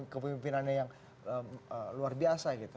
kepemimpinannya yang luar biasa gitu